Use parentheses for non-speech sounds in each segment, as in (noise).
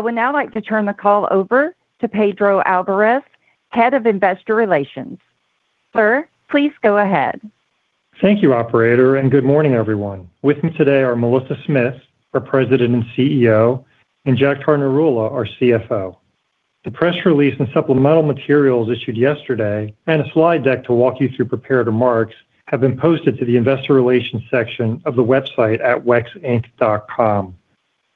I would now like to turn the call over to Pedro Alvarez, head of investor relations. Sir, please go ahead. Thank you, operator. Good morning, everyone. With me today are Melissa Smith, our President and CEO, and Jagtar Narula, our CFO. The press release and supplemental materials issued yesterday and a slide deck to walk you through prepared remarks have been posted to the investor relations section of the website at wexinc.com.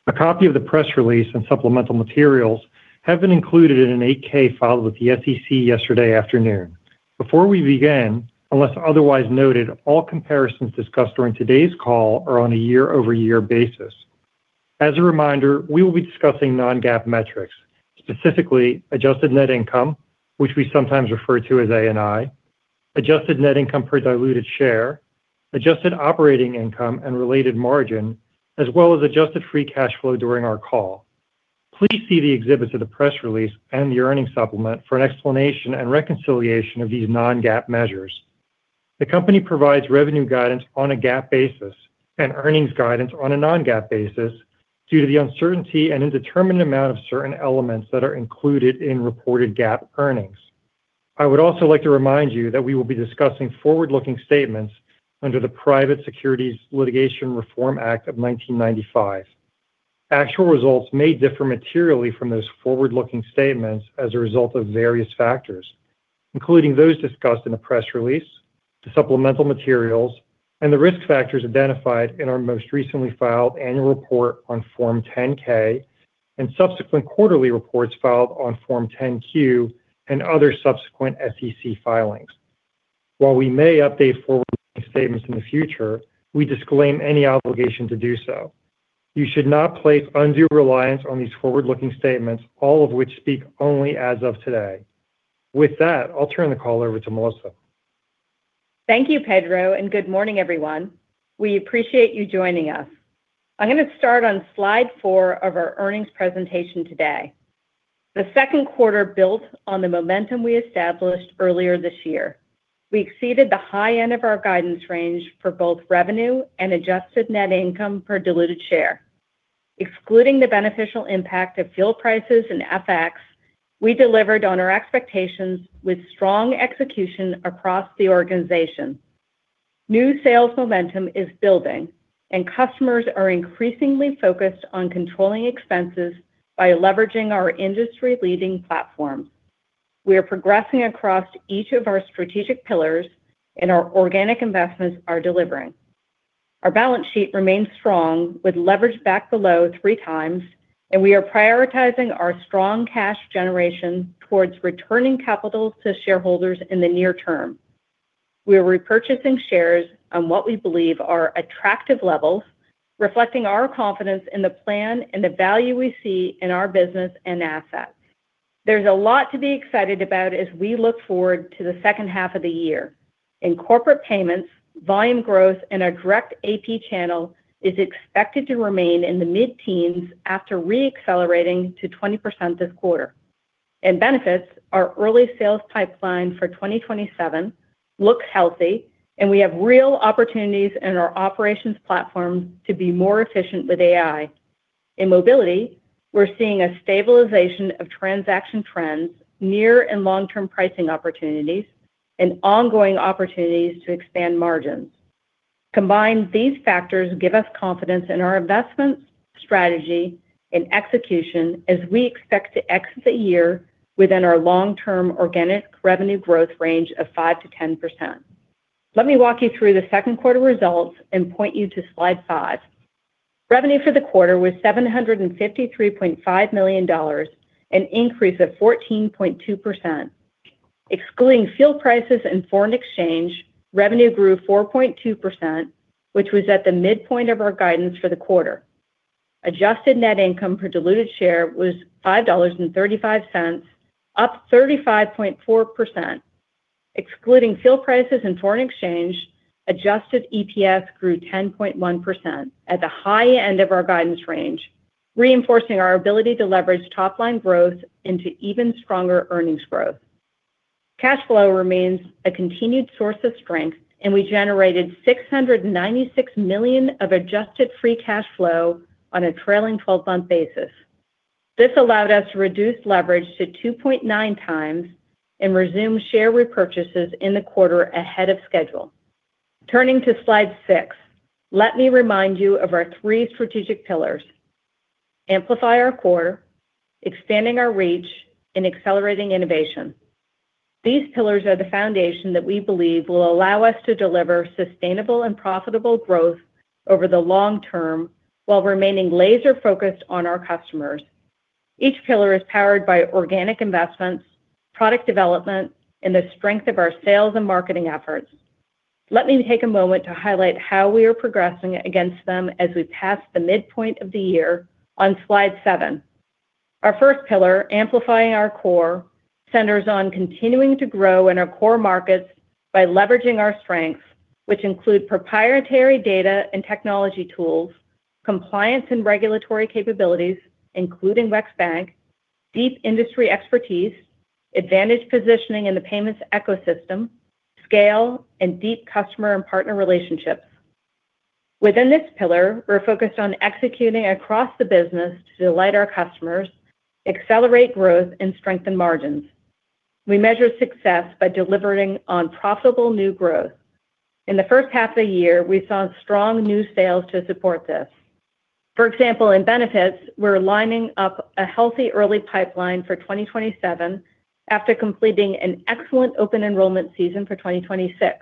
A copy of the press release and supplemental materials have been included in an 8-K filed with the SEC yesterday afternoon. Before we begin, unless otherwise noted, all comparisons discussed during today's call are on a year-over-year basis. As a reminder, we will be discussing non-GAAP metrics, specifically adjusted net income, which we sometimes refer to as ANI, adjusted net income per diluted share, adjusted operating income and related margin, as well as adjusted free cash flow during our call. Please see the exhibits of the press release and the earnings supplement for an explanation and reconciliation of these non-GAAP measures. The company provides revenue guidance on a GAAP basis and earnings guidance on a non-GAAP basis due to the uncertainty and indeterminate amount of certain elements that are included in reported GAAP earnings. I would also like to remind you that we will be discussing forward-looking statements under the Private Securities Litigation Reform Act of 1995. Actual results may differ materially from those forward-looking statements as a result of various factors, including those discussed in the press release, the supplemental materials, and the risk factors identified in our most recently filed annual report on Form 10-K and subsequent quarterly reports filed on Form 10-Q and other subsequent SEC filings. While we may update forward-looking statements in the future, we disclaim any obligation to do so. You should not place undue reliance on these forward-looking statements, all of which speak only as of today. With that, I'll turn the call over to Melissa. Thank you, Pedro, and good morning, everyone. We appreciate you joining us. I'm going to start on slide four of our earnings presentation today. The second quarter built on the momentum we established earlier this year. We exceeded the high end of our guidance range for both revenue and adjusted net income per diluted share. Excluding the beneficial impact of fuel prices and FX, we delivered on our expectations with strong execution across the organization. New sales momentum is building, and customers are increasingly focused on controlling expenses by leveraging our industry-leading platform. We are progressing across each of our strategic pillars, and our organic investments are delivering. Our balance sheet remains strong with leverage back below 3x, and we are prioritizing our strong cash generation towards returning capital to shareholders in the near term. We are repurchasing shares on what we believe are attractive levels, reflecting our confidence in the plan and the value we see in our business and assets. There's a lot to be excited about as we look forward to the second half of the year. In Corporate Payments, volume growth in our direct AP channel is expected to remain in the mid-teens after re-accelerating to 20% this quarter. In Benefits, our early sales pipeline for 2027 looks healthy, and we have real opportunities in our operations platform to be more efficient with AI. In Mobility, we're seeing a stabilization of transaction trends, near and long-term pricing opportunities, and ongoing opportunities to expand margins. Combined, these factors give us confidence in our investment strategy and execution as we expect to exit the year within our long-term organic revenue growth range of 5%-10%. Let me walk you through the second quarter results and point you to slide five. Revenue for the quarter was $753.5 million, an increase of 14.2%. Excluding fuel prices and foreign exchange, revenue grew 4.2%, which was at the midpoint of our guidance for the quarter. Adjusted net income per diluted share was $5.35, up 35.4%. Excluding fuel prices and foreign exchange, adjusted EPS grew 10.1% at the high end of our guidance range, reinforcing our ability to leverage top-line growth into even stronger earnings growth. Cash flow remains a continued source of strength, and we generated $696 million of adjusted free cash flow on a trailing 12-month basis. This allowed us to reduce leverage to 2.9x and resume share repurchases in the quarter ahead of schedule. Turning to slide six, let me remind you of our three strategic pillars: amplify our core, expanding our reach, and accelerating innovation. These pillars are the foundation that we believe will allow us to deliver sustainable and profitable growth over the long term while remaining laser-focused on our customers. Each pillar is powered by organic investments, product development, and the strength of our sales and marketing efforts. Let me take a moment to highlight how we are progressing against them as we pass the midpoint of the year on slide seven. Our first pillar, amplifying our core, centers on continuing to grow in our core markets by leveraging our strengths, which include proprietary data and technology tools; compliance and regulatory capabilities, including WEX Bank; deep industry expertise; advantaged positioning in the payments ecosystem; scale, and deep customer and partner relationships. Within this pillar, we're focused on executing across the business to delight our customers, accelerate growth, and strengthen margins. We measure success by delivering on profitable new growth. In the first half of the year, we saw strong new sales to support this. For example, in Benefits, we're lining up a healthy early pipeline for 2027 after completing an excellent open enrollment season for 2026.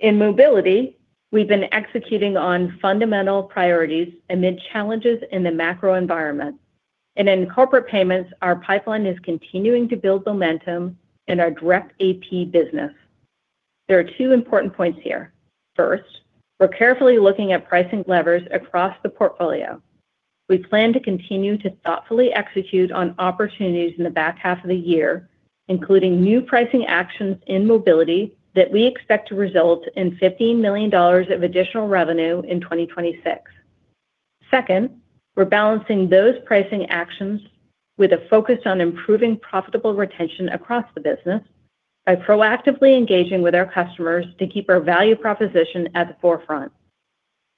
In Mobility, we've been executing on fundamental priorities amid challenges in the macro environment. In Corporate Payments, our pipeline is continuing to build momentum in our direct AP business. There are two important points here. First, we're carefully looking at pricing levers across the portfolio. We plan to continue to thoughtfully execute on opportunities in the back half of the year, including new pricing actions in Mobility that we expect to result in $15 million of additional revenue in 2026. Second, we're balancing those pricing actions with a focus on improving profitable retention across the business by proactively engaging with our customers to keep our value proposition at the forefront.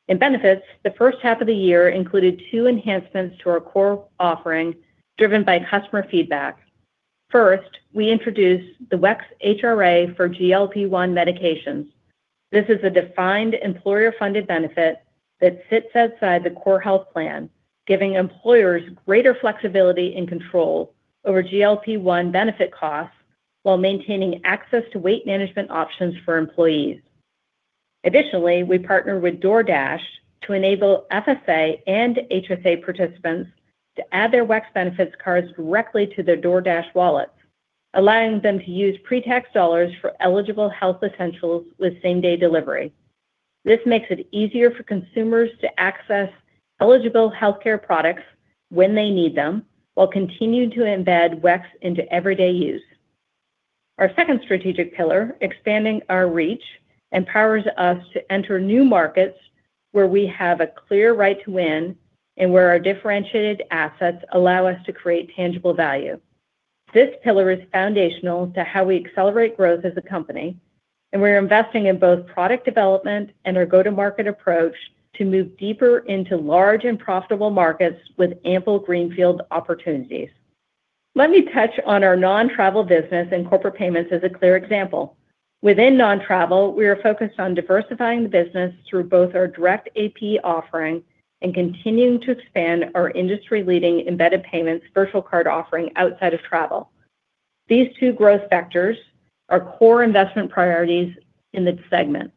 In Benefits, the first half of the year included two enhancements to our core offering, driven by customer feedback. First, we introduced the WEX HRA for GLP-1 medications. This is a defined employer-funded benefit that sits outside the core health plan, giving employers greater flexibility and control over GLP-1 benefit costs while maintaining access to weight management options for employees. Additionally, we partner with DoorDash to enable FSA and HSA participants to add their WEX benefits cards directly to their DoorDash wallets, allowing them to use pre-tax dollars for eligible health essentials with same-day delivery. This makes it easier for consumers to access eligible healthcare products when they need them, while continuing to embed WEX into everyday use. Our second strategic pillar, expanding our reach, empowers us to enter new markets where we have a clear right to win and where our differentiated assets allow us to create tangible value. This pillar is foundational to how we accelerate growth as a company. We're investing in both product development and our go-to-market approach to move deeper into large and profitable markets with ample greenfield opportunities. Let me touch on our non-travel business and Corporate Payments as a clear example. Within non-travel, we are focused on diversifying the business through both our direct AP offering and continuing to expand our industry-leading embedded payments virtual card offering outside of travel. These two growth vectors are core investment priorities in this segment.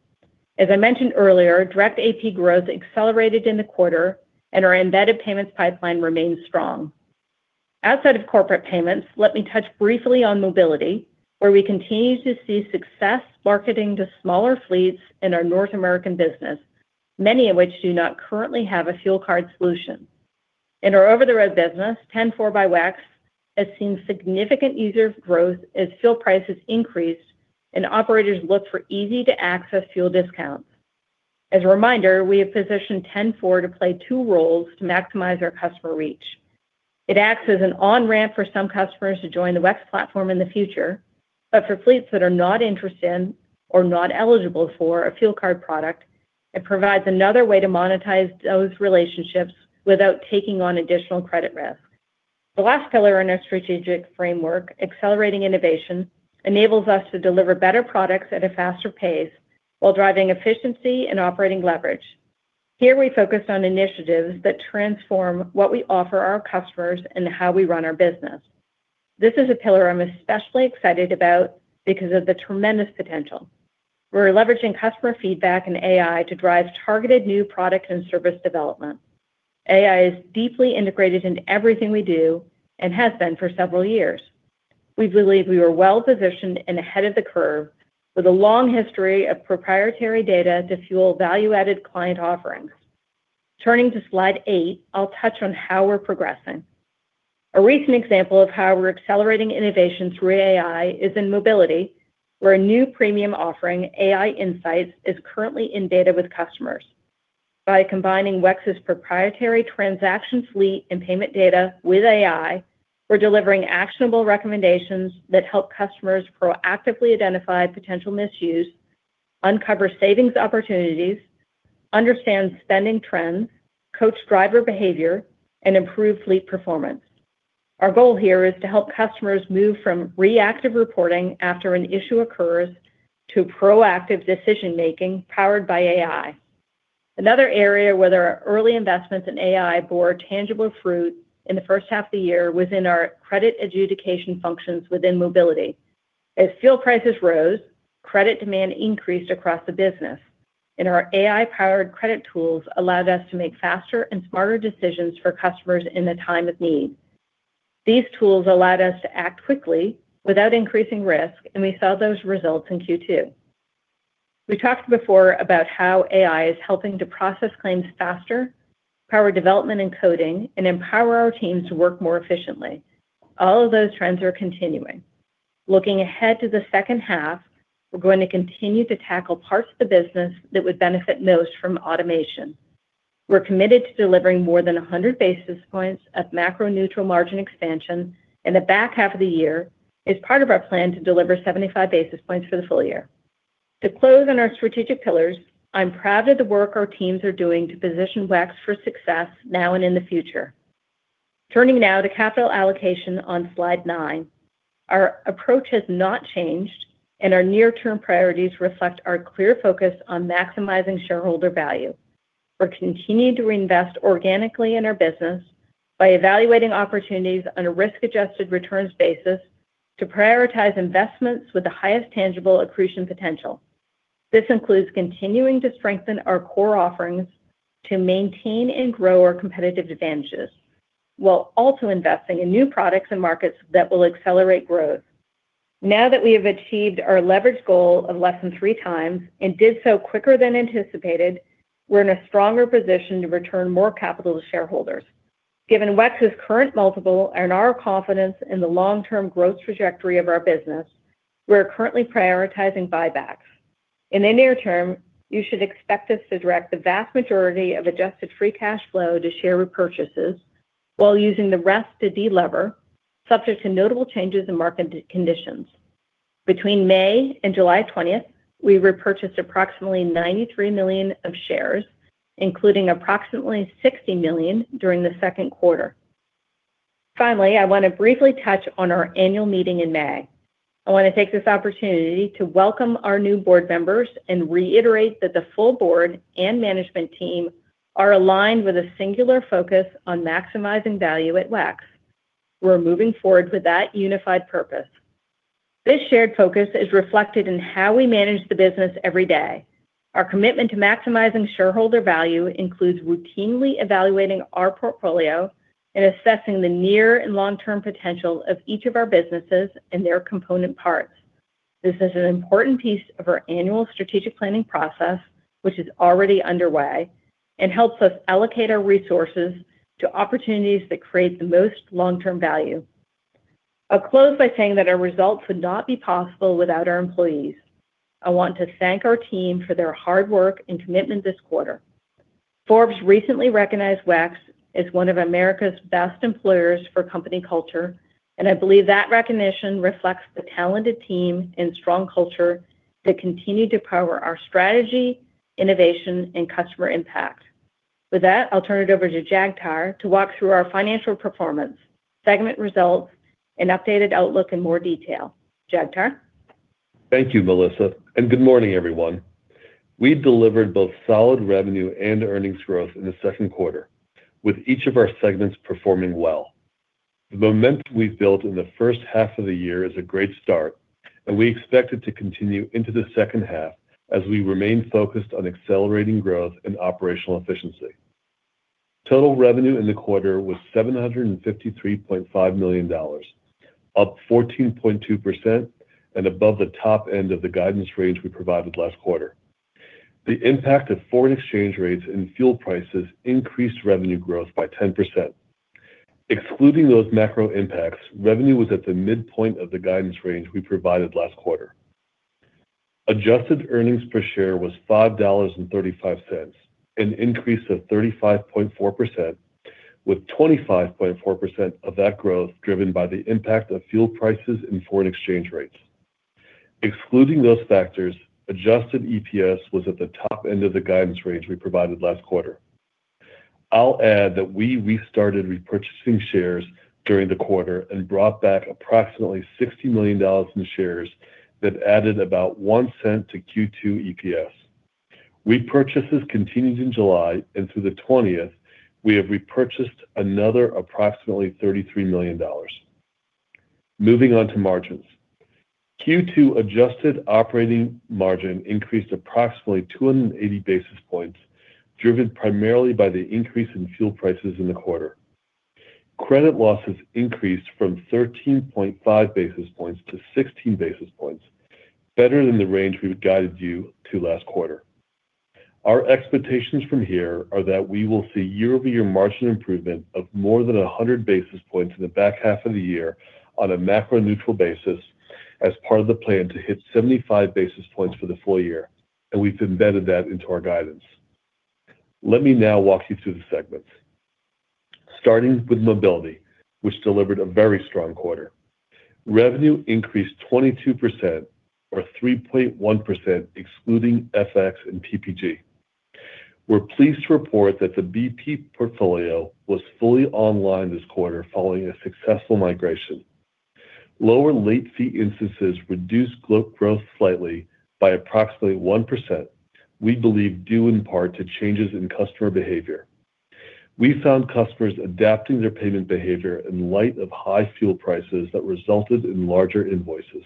As I mentioned earlier, direct AP growth accelerated in the quarter and our embedded payments pipeline remains strong. Outside of Corporate Payments, let me touch briefly on Mobility, where we continue to see success marketing to smaller fleets in our North American business, many of which do not currently have a fuel card solution. In our over-the-road business, 10-4 by WEX has seen significant user growth as fuel prices increase and operators look for easy-to-access fuel discounts. As a reminder, we have positioned 10-4 to play two roles to maximize our customer reach. It acts as an on-ramp for some customers to join the WEX platform in the future. For fleets that are not interested in or not eligible for a fuel card product, it provides another way to monetize those relationships without taking on additional credit risk. The last pillar in our strategic framework, accelerating innovation, enables us to deliver better products at a faster pace while driving efficiency and operating leverage. Here we focus on initiatives that transform what we offer our customers and how we run our business. This is a pillar I'm especially excited about because of the tremendous potential. We're leveraging customer feedback and AI to drive targeted new product and service development. AI is deeply integrated into everything we do and has been for several years. We believe we were well positioned and ahead of the curve with a long history of proprietary data to fuel value-added client offerings. Turning to slide eight, I'll touch on how we're progressing. A recent example of how we're accelerating innovation through AI is in Mobility, where a new premium offering, AI Insights, is currently in beta with customers. By combining WEX's proprietary transaction fleet and payment data with AI, we're delivering actionable recommendations that help customers proactively identify potential misuse, uncover savings opportunities, understand spending trends, coach driver behavior, and improve fleet performance. Our goal here is to help customers move from reactive reporting after an issue occurs to proactive decision-making powered by AI. Another area where there are early investments in AI bore tangible fruit in the first half of the year was in our credit adjudication functions within Mobility. As fuel prices rose, credit demand increased across the business, and our AI-powered credit tools allowed us to make faster and smarter decisions for customers in the time of need. These tools allowed us to act quickly without increasing risk, and we saw those results in Q2. We talked before about how AI is helping to process claims faster, power development and coding, and empower our teams to work more efficiently. All of those trends are continuing. Looking ahead to the second half, we're going to continue to tackle parts of the business that would benefit most from automation. We're committed to delivering more than 100 basis points of macro neutral margin expansion in the back half of the year as part of our plan to deliver 75 basis points for the full year. To close on our strategic pillars, I'm proud of the work our teams are doing to position WEX for success now and in the future. Turning now to capital allocation on slide nine. Our approach has not changed, and our near-term priorities reflect our clear focus on maximizing shareholder value. We're continuing to reinvest organically in our business by evaluating opportunities on a risk-adjusted returns basis to prioritize investments with the highest tangible accretion potential. This includes continuing to strengthen our core offerings to maintain and grow our competitive advantages, while also investing in new products and markets that will accelerate growth. Now that we have achieved our leverage goal of less than 3x and did so quicker than anticipated, we're in a stronger position to return more capital to shareholders. Given WEX's current multiple and our confidence in the long-term growth trajectory of our business, we are currently prioritizing buybacks. In the near term, you should expect us to direct the vast majority of adjusted free cash flow to share repurchases while using the rest to delever, subject to notable changes in market conditions. Between May and July 20th, we repurchased approximately $93 million of shares, including approximately $60 million during the second quarter. Finally, I want to briefly touch on our annual meeting in May. I want to take this opportunity to welcome our new board members and reiterate that the full board and management team are aligned with a singular focus on maximizing value at WEX. We're moving forward with that unified purpose. This shared focus is reflected in how we manage the business every day. Our commitment to maximizing shareholder value includes routinely evaluating our portfolio and assessing the near and long-term potential of each of our businesses and their component parts. This is an important piece of our annual strategic planning process, which is already underway and helps us allocate our resources to opportunities that create the most long-term value. I'll close by saying that our results would not be possible without our employees. I want to thank our team for their hard work and commitment this quarter. Forbes recently recognized WEX as one of America's best employers for company culture, and I believe that recognition reflects the talented team and strong culture that continue to power our strategy, innovation, and customer impact. With that, I'll turn it over to Jagtar to walk through our financial performance, segment results, and updated outlook in more detail. Jagtar? Thank you, Melissa, and good morning, everyone. We've delivered both solid revenue and earnings growth in the second quarter, with each of our segments performing well. The momentum we've built in the first half of the year is a great start, and we expect it to continue into the second half as we remain focused on accelerating growth and operational efficiency. Total revenue in the quarter was $753.5 million, up 14.2% and above the top end of the guidance range we provided last quarter. The impact of foreign exchange rates and fuel prices increased revenue growth by 10%. Excluding those macro impacts, revenue was at the midpoint of the guidance range we provided last quarter. Adjusted earnings per share was $5.35, an increase of 35.4%, with 25.4% of that growth driven by the impact of fuel prices and foreign exchange rates. Excluding those factors, adjusted EPS was at the top end of the guidance range we provided last quarter. I'll add that we restarted repurchasing shares during the quarter and brought back approximately $60 million in shares that added about $0.01 to Q2 EPS. Repurchases continued in July, and through the 20th, we have repurchased another approximately $33 million. Moving on to margins. Q2 adjusted operating margin increased approximately 280 basis points, driven primarily by the increase in fuel prices in the quarter. Credit losses increased from 13.5 basis points to 16 basis points, better than the range we've guided you to last quarter. Our expectations from here are that we will see year-over-year margin improvement of more than 100 basis points in the back half of the year on a macro neutral basis as part of the plan to hit 75 basis points for the full year. We've embedded that into our guidance. Let me now walk you through the segments. Starting with Mobility, which delivered a very strong quarter. Revenue increased 22% or 3.1% excluding FX and PPG. We're pleased to report that the BP portfolio was fully online this quarter following a successful migration. Lower late fee instances reduced growth slightly by approximately 1%, we believe due in part to changes in customer behavior. We found customers adapting their payment behavior in light of high fuel prices that resulted in larger invoices.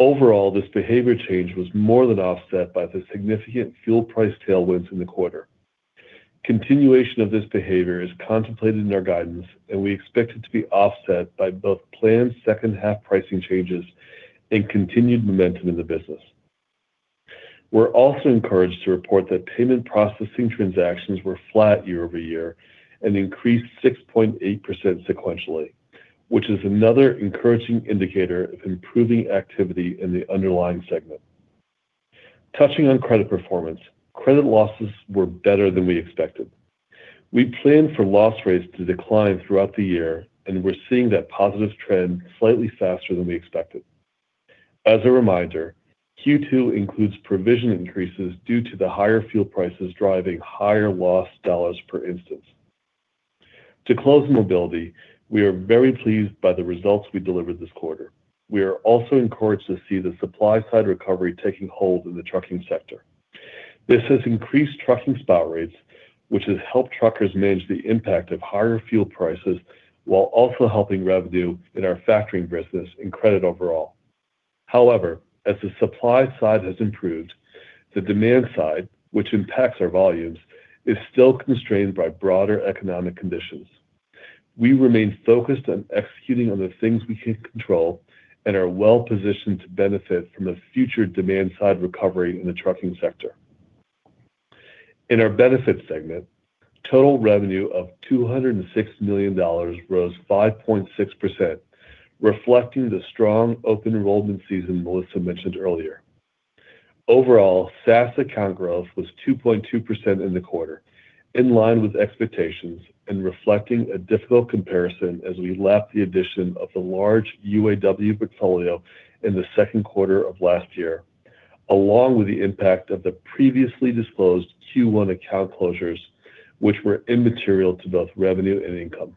Overall, this behavior change was more than offset by the significant fuel price tailwinds in the quarter. Continuation of this behavior is contemplated in our guidance. We expect it to be offset by both planned second half pricing changes and continued momentum in the business. We're also encouraged to report that payment processing transactions were flat year-over-year and increased 6.8% sequentially. This is another encouraging indicator of improving activity in the underlying segment. Touching on credit performance, credit losses were better than we expected. We plan for loss rates to decline throughout the year. We're seeing that positive trend slightly faster than we expected. As a reminder, Q2 includes provision increases due to the higher fuel prices driving higher loss dollars per instance. To close Mobility, we are very pleased by the results we delivered this quarter. We are also encouraged to see the supply side recovery taking hold in the trucking sector. This has increased trucking spot rates, which has helped truckers manage the impact of higher fuel prices while also helping revenue in our factoring business and credit overall. As the supply side has improved, the demand side, which impacts our volumes, is still constrained by broader economic conditions. We remain focused on executing on the things we can control and are well-positioned to benefit from a future demand side recovery in the trucking sector. In our Benefits segment, total revenue of $206 million rose 5.6%, reflecting the strong open enrollment season Melissa mentioned earlier. Overall, SaaS account growth was 2.2% in the quarter, in line with expectations and reflecting a difficult comparison as we lap the addition of the large UAW portfolio in the second quarter of last year, along with the impact of the previously disclosed Q1 account closures, which were immaterial to both revenue and income.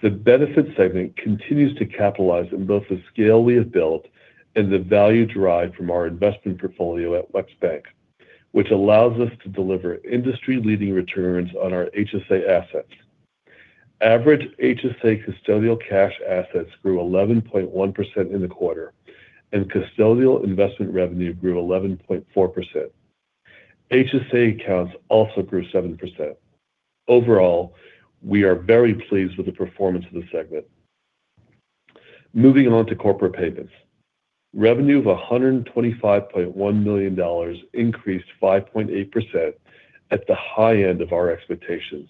The Benefits segment continues to capitalize on both the scale we have built and the value derived from our investment portfolio at WEX Bank, which allows us to deliver industry-leading returns on our HSA assets. Average HSA custodial cash assets grew 11.1% in the quarter. Custodial investment revenue grew 11.4%. HSA accounts also grew 7%. Overall, we are very pleased with the performance of the segment. Moving on to Corporate Payments. Revenue of $125.1 million increased 5.8% at the high end of our expectations,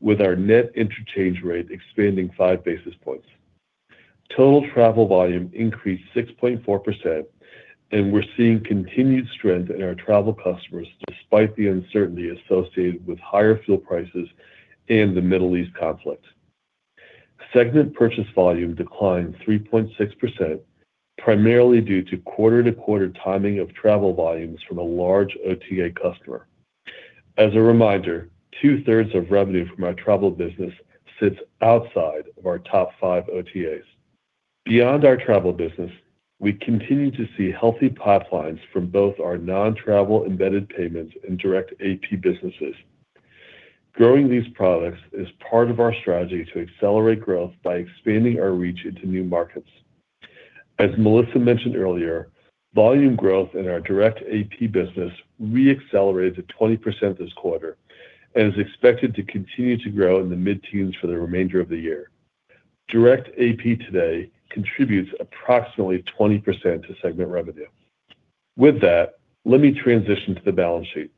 with our net interchange rate expanding 5 basis points. Total travel volume increased 6.4%. We're seeing continued strength in our travel customers despite the uncertainty associated with higher fuel prices and the Middle East conflict. Segment purchase volume declined 3.6%, primarily due to quarter-to-quarter timing of travel volumes from a large OTA customer. As a reminder, two-thirds of revenue from our travel business sits outside of our top five OTAs. Beyond our travel business, we continue to see healthy pipelines from both our non-travel embedded payments and direct AP businesses. Growing these products is part of our strategy to accelerate growth by expanding our reach into new markets. As Melissa mentioned earlier, volume growth in our direct AP business re-accelerated to 20% this quarter and is expected to continue to grow in the mid-teens for the remainder of the year. Direct AP today contributes approximately 20% to segment revenue. With that, let me transition to the balance sheet.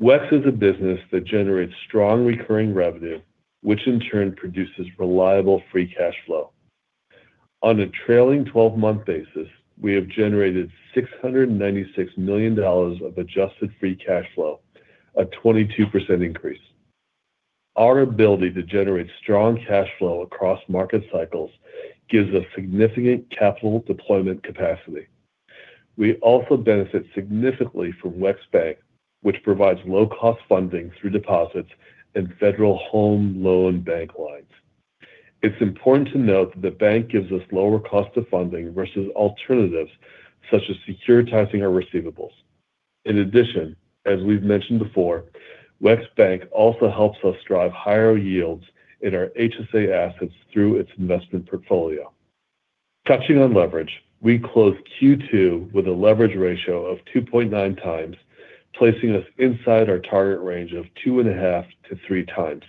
WEX is a business that generates strong recurring revenue, which in turn produces reliable free cash flow. On a trailing 12-month basis, we have generated $696 million of adjusted free cash flow, a 22% increase. Our ability to generate strong cash flow across market cycles gives us significant capital deployment capacity. We also benefit significantly from WEX Bank, which provides low-cost funding through deposits and Federal Home Loan Bank lines. It's important to note that the bank gives us lower cost of funding versus alternatives, such as securitizing our receivables. In addition, as we've mentioned before, WEX Bank also helps us drive higher yields in our HSA assets through its investment portfolio. Touching on leverage, we closed Q2 with a leverage ratio of 2.9x, placing us inside our target range of 2.5x-3x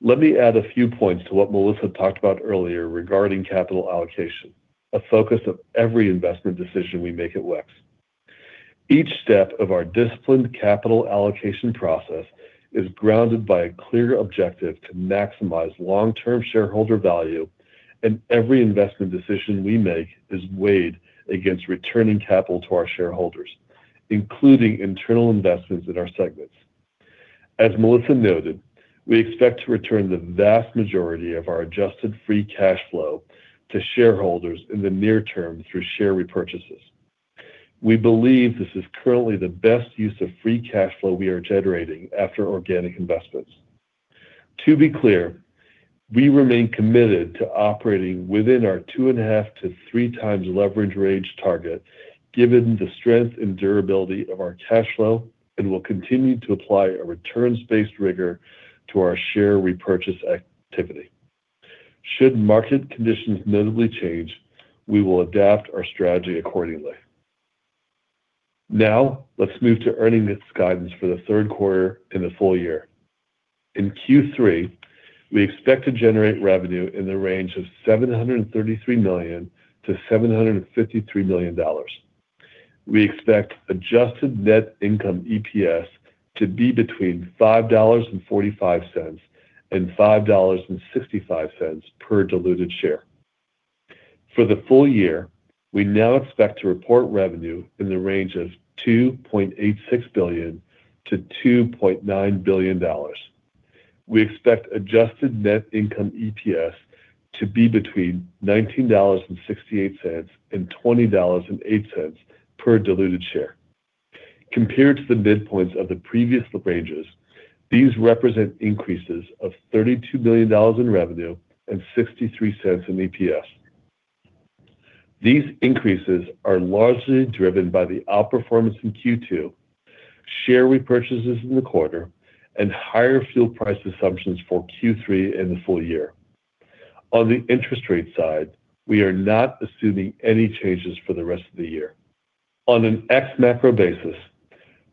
Let me add a few points to what Melissa talked about earlier regarding capital allocation, a focus of every investment decision we make at WEX. Each step of our disciplined capital allocation process is grounded by a clear objective to maximize long-term shareholder value. Every investment decision we make is weighed against returning capital to our shareholders, including internal investments in our segments. As Melissa noted, we expect to return the vast majority of our adjusted free cash flow to shareholders in the near term through share repurchases. We believe this is currently the best use of free cash flow we are generating after organic investments. To be clear, we remain committed to operating within our two and a half to three times leverage range target, given the strength and durability of our cash flow. We will continue to apply a returns-based rigor to our share repurchase activity. Should market conditions notably change, we will adapt our strategy accordingly. Let's move to earnings guidance for the third quarter and the full year. In Q3, we expect to generate revenue in the range of $733 million-$753 million. We expect adjusted net income EPS to be between $5.45 and $5.65 per diluted share. For the full year, we now expect to report revenue in the range of $2.86 billion to $2.9 billion. We expect adjusted net income EPS to be between $19.68 and $20.08 per diluted share. Compared to the midpoints of the previous ranges, these represent increases of $32 million in revenue and $0.63 in EPS. These increases are largely driven by the outperformance in Q2, share repurchases in the quarter, and higher fuel price assumptions for Q3 and the full year. On the interest rate side, we are not assuming any changes for the rest of the year. On an ex macro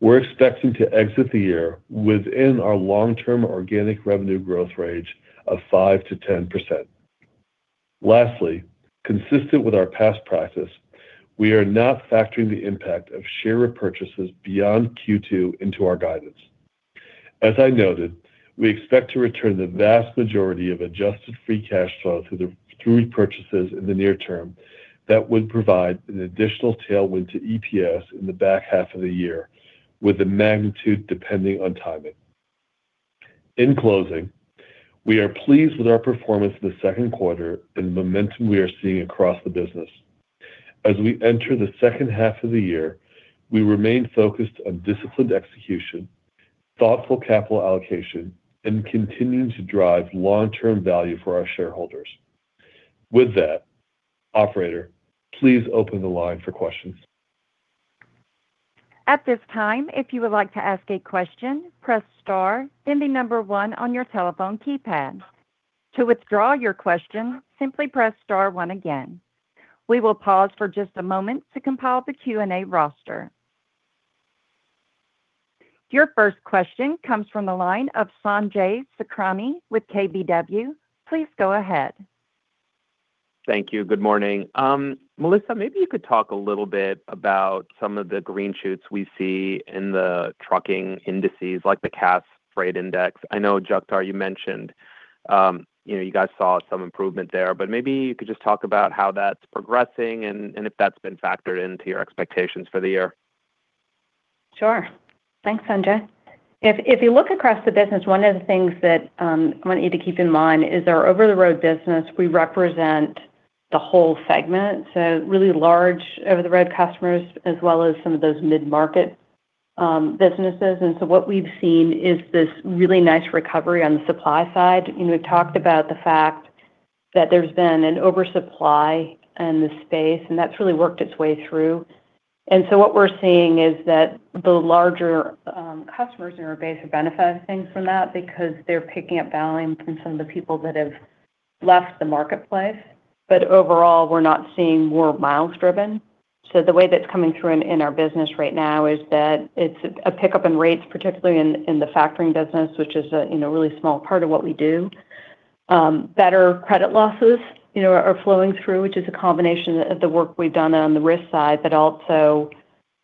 basis, we're expecting to exit the year within our long-term organic revenue growth range of 5%-10%. Lastly, consistent with our past practice, we are not factoring the impact of share repurchases beyond Q2 into our guidance. As I noted, we expect to return the vast majority of adjusted free cash flow through repurchases in the near term, that would provide an additional tailwind to EPS in the back half of the year, with the magnitude depending on timing. In closing, we are pleased with our performance in the second quarter and the momentum we are seeing across the business. As we enter the second half of the year, we remain focused on disciplined execution, thoughtful capital allocation, and continuing to drive long-term value for our shareholders. With that, operator, please open the line for questions. At this time, if you would like to ask a question, press star, then the number one on your telephone keypad. To withdraw your question, simply press star one again. We will pause for just a moment to compile the Q&A roster. Your first question comes from the line of Sanjay Sakhrani with KBW. Please go ahead. Thank you. Good morning. Melissa, maybe you could talk a little bit about some of the green shoots we see in the trucking indices, like the Cass Freight Index. I know, Jagtar, you mentioned you guys saw some improvement there, but maybe you could just talk about how that's progressing and if that's been factored into your expectations for the year. Sure. Thanks, Sanjay. If you look across the business, one of the things that I want you to keep in mind is our over-the-road business, we represent the whole segment, so really large over-the-road customers, as well as some of those mid-market businesses. What we've seen is this really nice recovery on the supply side. We've talked about the fact that there's been an oversupply in the space, and that's really worked its way through. What we're seeing is that the larger customers in our base are benefiting from that because they're picking up volume from some of the people that have left the marketplace. Overall, we're not seeing more miles driven. The way that's coming through in our business right now is that it's a pickup in rates, particularly in the factoring business, which is a really small part of what we do. Better credit losses are flowing through, which is a combination of the work we've done on the risk side, but also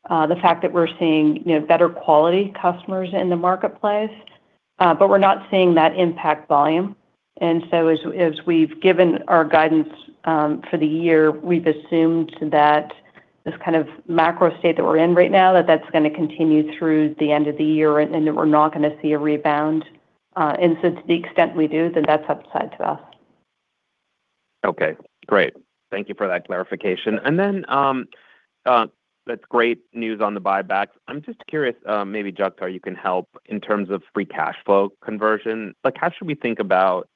the fact that we're seeing better quality customers in the marketplace. We're not seeing that impact volume. As we've given our guidance for the year, we've assumed that this kind of macro state that we're in right now, that that's going to continue through the end of the year, and that we're not going to see a rebound. To the extent we do, then that's upside to us. Okay, great. Thank you for that clarification. That's great news on the buybacks. I'm just curious, maybe Jagtar, you can help in terms of free cash flow conversion. How should we think about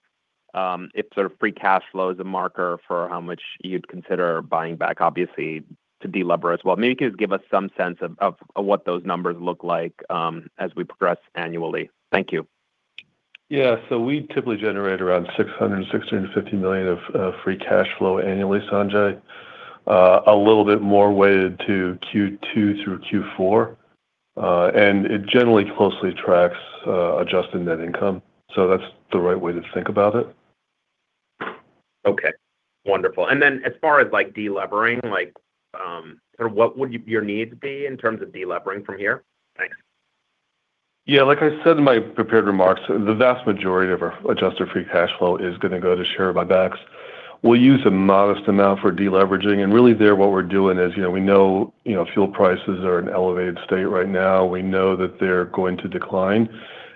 if free cash flow is a marker for how much you'd consider buying back, obviously, to delever as well? Maybe just give us some sense of what those numbers look like as we progress annually. Thank you. Yeah. We typically generate around $600 million, $650 million of free cash flow annually, Sanjay. A little bit more weighted to Q2 through Q4. It generally closely tracks adjusted net income. That's the right way to think about it. Okay, wonderful. As far as delevering, what would your needs be in terms of delevering from here? Thanks. Yeah, like I said in my prepared remarks, the vast majority of our adjusted free cash flow is going to go to share buybacks. We'll use a modest amount for deleveraging, and really there, what we're doing is, we know fuel prices are in an elevated state right now. We know that they're going to decline.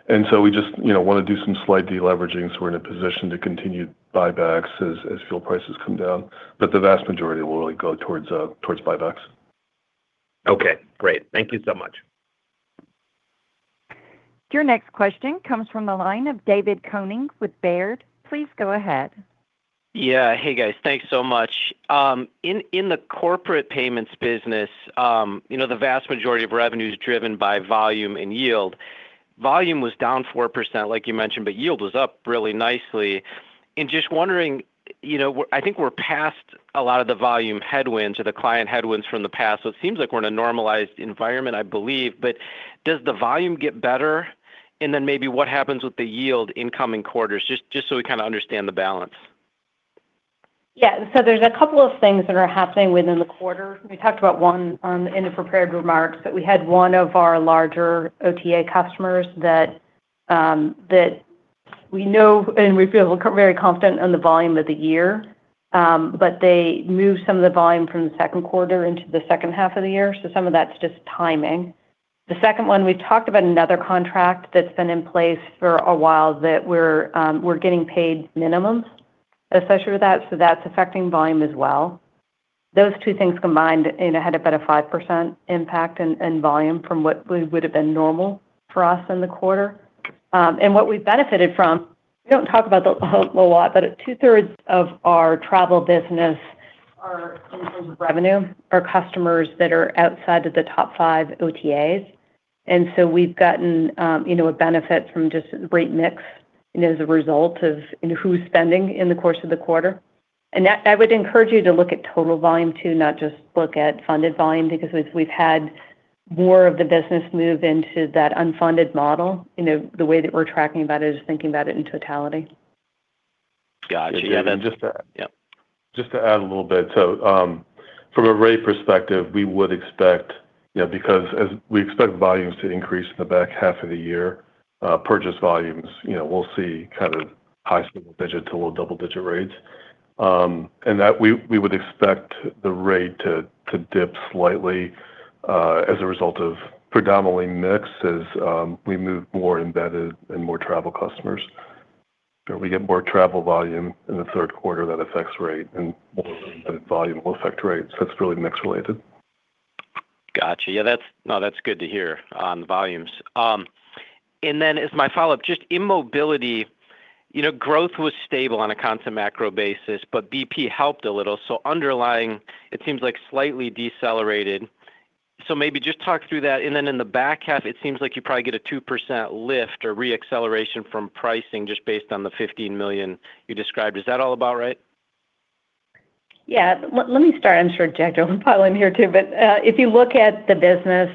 We just want to do some slight deleveraging so we're in a position to continue buybacks as fuel prices come down. The vast majority will really go towards buybacks. Okay, great. Thank you so much. Your next question comes from the line of David Koning with Baird. Please go ahead. Yeah. Hey, guys. Thanks so much. In the Corporate Payments business, the vast majority of revenue is driven by volume and yield. Volume was down 4%, like you mentioned, but yield was up really nicely. Just wondering, I think we're past a lot of the volume headwinds or the client headwinds from the past. It seems like we're in a normalized environment, I believe. Does the volume get better? Then maybe what happens with the yield in coming quarters, just so we kind of understand the balance. There's a couple of things that are happening within the quarter. We talked about one in the prepared remarks, that we had one of our larger OTA customers that we know, and we feel very confident in the volume of the year. They moved some of the volume from the second quarter into the second half of the year. Some of that's just timing. The second one, we've talked about another contract that's been in place for a while, that we're getting paid minimums associated with that, so that's affecting volume as well. Those two things combined had about a 5% impact in volume from what would've been normal for us in the quarter. What we've benefited from, we don't talk about a lot, but two-thirds of our travel business, our revenue, are customers that are outside of the top five OTAs. We've gotten a benefit from just great mix as a result of who's spending in the course of the quarter. I would encourage you to look at total volume too, not just look at funded volume, because we've had more of the business move into that unfunded model. The way that we're tracking that is thinking about it in totality. Got you. Just to add a little bit. From a rate perspective, we would expect, because as we expect volumes to increase in the back half of the year, purchase volumes we'll see high single digit to low double-digit rates. That we would expect the rate to dip slightly as a result of predominantly mix as we move more embedded and more travel customers. We get more travel volume in the third quarter that affects rate, and more embedded volume will affect rates. That's really mix related. Got you. Yeah, that's good to hear on the volumes. As my follow-up, just in Mobility, growth was stable on a constant macro basis, BP helped a little. Underlying, it seems like slightly decelerated. Maybe just talk through that, in the back half, it seems like you probably get a 2% lift or re-acceleration from pricing just based on the $15 million you described. Is that all about right? Yeah. Let me start. I'm sure Jagtar will pile in here, too. If you look at the business,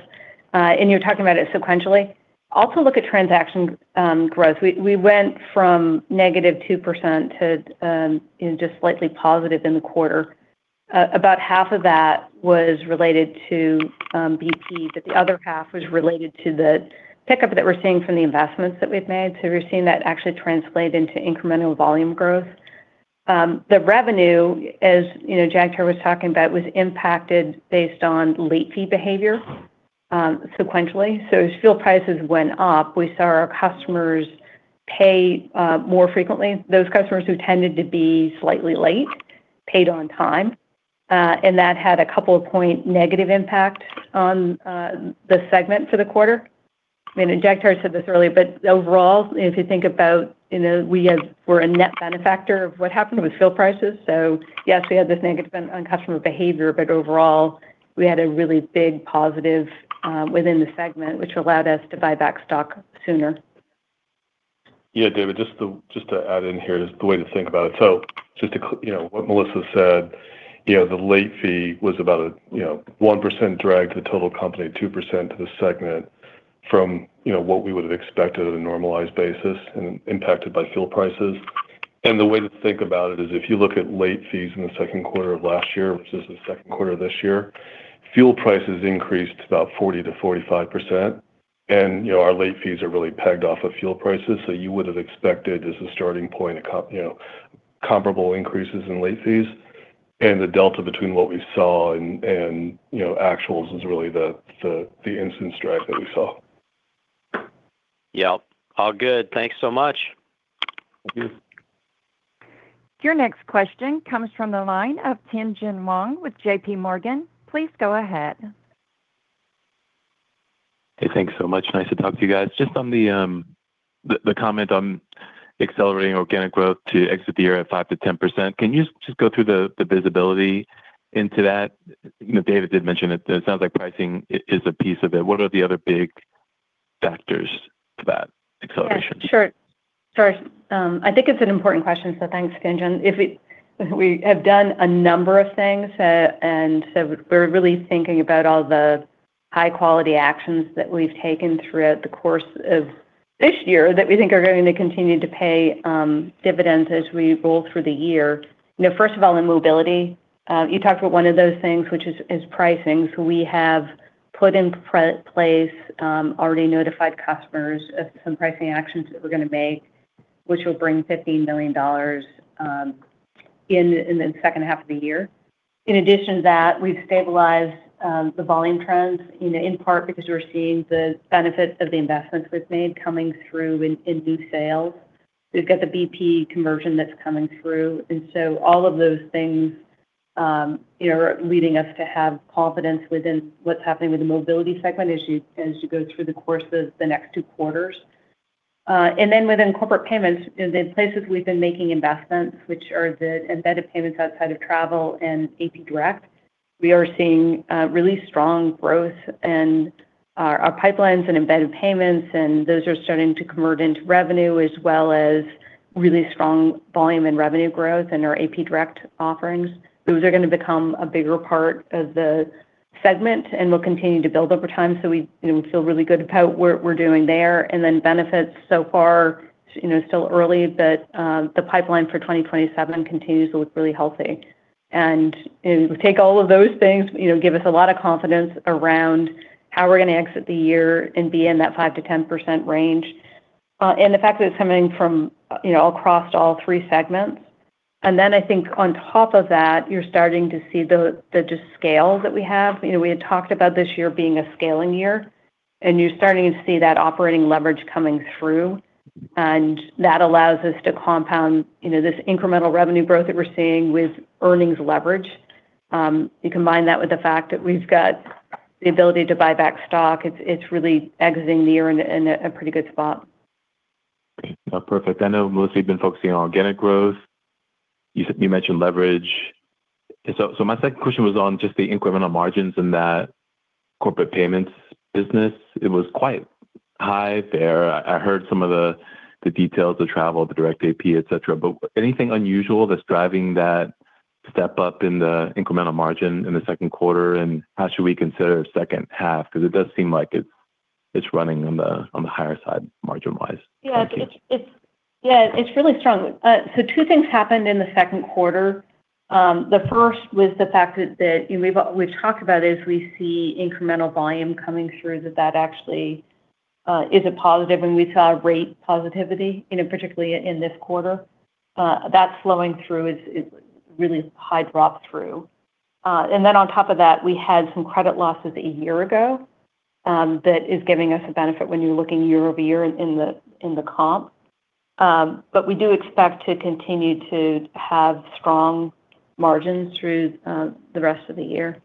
you're talking about it sequentially, also look at transaction growth. We went from -2% to just slightly positive in the quarter. About half of that was related to BP, the other half was related to the pickup that we're seeing from the investments that we've made. We're seeing that actually translate into incremental volume growth. The revenue, as Jagtar was talking about, was impacted based on late fee behavior sequentially. As fuel prices went up, we saw our customers pay more frequently. Those customers who tended to be slightly late, paid on time. That had a couple of point negative impact on the segment for the quarter. Jagtar said this earlier, overall, if you think about we're a net benefactor of what happened with fuel prices. Yes, we had this negative customer behavior, overall, we had a really big positive within the segment, which allowed us to buy back stock sooner. Yeah, David, just to add in here, the way to think about it. Just to what Melissa said, the late fee was about a 1% drag to the total company, 2% to the segment from what we would've expected on a normalized basis and impacted by fuel prices. The way to think about it is if you look at late fees in the second quarter of last year, which is the second quarter of this year, fuel prices increased about 40%-45%. Our late fees are really pegged off of fuel prices, you would've expected, as a starting point, comparable increases in late fees. The delta between what we saw and actuals is really the instance drag that we saw. Yep. All good. Thanks so much. Thank you. Your next question comes from the line of Jingyun Wang with JPMorgan. Please go ahead. Hey, thanks so much. Nice to talk to you guys. Just on the comment on accelerating organic growth to exit the year at 5%-10%, can you just go through the visibility into that? David did mention it. It sounds like pricing is a piece of it. What are the other big factors to that acceleration? Yeah, sure. I think it's an important question. Thanks, Jingyun. We have done a number of things. We're really thinking about all the high-quality actions that we've taken throughout the course of this year that we think are going to continue to pay dividends as we roll through the year. First of all, in Mobility, you talked about one of those things, which is pricing. We have put in place, already notified customers of some pricing actions that we're going to make, which will bring $15 million in the second half of the year. In addition to that, we've stabilized the volume trends, in part because we're seeing the benefits of the investments we've made coming through in new sales. We've got the BP conversion that's coming through. All of those things are leading us to have confidence within what's happening with the Mobility segment as you go through the course of the next two quarters. Within Corporate Payments, in the places we've been making investments, which are the embedded payments outside of travel and AP direct, we are seeing really strong growth in our pipelines and embedded payments, and those are starting to convert into revenue as well as really strong volume and revenue growth in our AP direct offerings. Those are going to become a bigger part of the segment, and we'll continue to build over time. We feel really good about what we're doing there. Benefits so far, still early, but the pipeline for 2027 continues to look really healthy. If we take all of those things, give us a lot of confidence around how we're going to exit the year and be in that 5%-10% range. The fact that it's coming from all across all three segments. I think on top of that, you're starting to see the scale that we have. We had talked about this year being a scaling year. You're starting to see that operating leverage coming through. That allows us to compound this incremental revenue growth that we're seeing with earnings leverage. You combine that with the fact that we've got the ability to buy back stock. It's really exiting the year in a pretty good spot. Great. Perfect. I know mostly you've been focusing on organic growth. You mentioned leverage. My second question was on just the incremental margins in that Corporate Payments business. It was quite high there. I heard some of the details, the travel, the direct AP, et cetera. Anything unusual that's driving that step-up in the incremental margin in the second quarter? How should we consider second half? It does seem like it's running on the higher side margin-wise. Yeah. It's really strong. Two things happened in the second quarter. The first was the fact that we've talked about as we see incremental volume coming through, that that actually is a positive, and we saw rate positivity, particularly in this quarter. That's flowing through. It's really high drop-through. On top of that, we had some credit losses a year ago that is giving us a benefit when you're looking year-over-year in the comp. We do expect to continue to have strong margins through the rest of the year.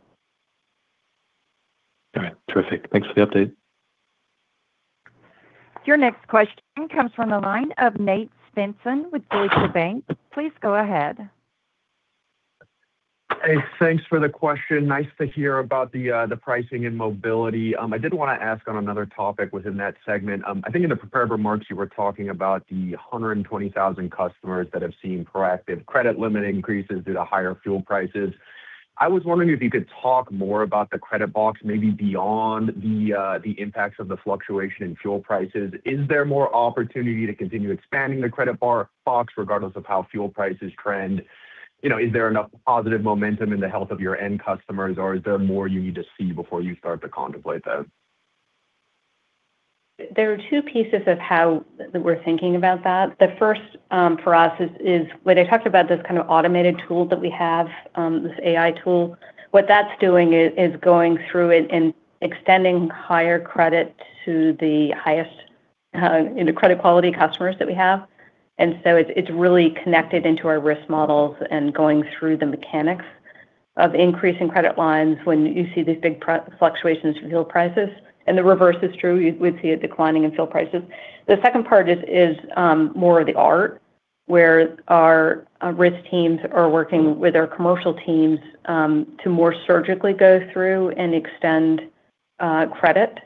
All right. Terrific. Thanks for the update. Your next question comes from the line of. (inaudible) Please go ahead. Hey, thanks for the question. Nice to hear about the pricing and Mobility. I did want to ask on another topic within that segment. I think in the prepared remarks, you were talking about the 120,000 customers that have seen proactive credit limit increases due to higher fuel prices. I was wondering if you could talk more about the credit box, maybe beyond the impacts of the fluctuation in fuel prices. Is there more opportunity to continue expanding the credit box regardless of how fuel prices trend? Is there enough positive momentum in the health of your end customers, or is there more you need to see before you start to contemplate that? There are two pieces of how we're thinking about that. The first for us is when I talked about this kind of automated tool that we have, this AI tool, what that's doing is going through and extending higher credit to the highest credit quality customers that we have. It's really connected into our risk models and going through the mechanics of increasing credit lines when you see these big fluctuations in fuel prices. The reverse is true. We'd see it declining in fuel prices. The second part is more of the art, where our risk teams are working with our commercial teams to more surgically go through and extend credit.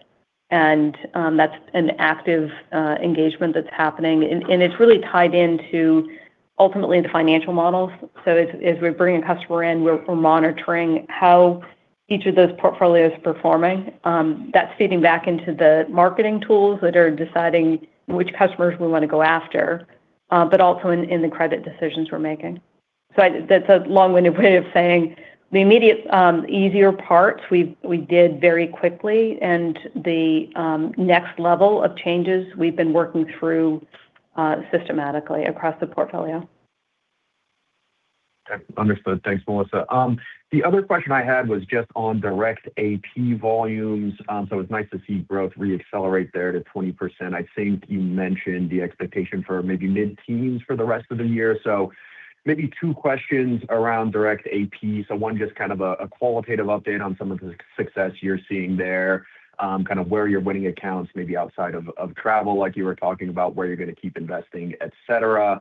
That's an active engagement that's happening. It's really tied into, ultimately, the financial models. As we're bringing a customer in, we're monitoring how each of those portfolios is performing. That's feeding back into the marketing tools that are deciding which customers we want to go after, but also in the credit decisions we're making. That's a long-winded way of saying the immediate, easier parts we did very quickly, and the next level of changes we've been working through systematically across the portfolio. Understood. Thanks, Melissa. The other question I had was just on direct AP volumes. It's nice to see growth re-accelerate there to 20%. I think you mentioned the expectation for maybe mid-teens for the rest of the year. Maybe two questions around direct AP. One, just a qualitative update on some of the success you're seeing there, where you're winning accounts, maybe outside of travel, like you were talking about, where you're going to keep investing, et cetera.